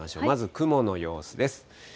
まず雲の様子です。